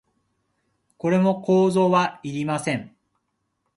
これも造作はいりません。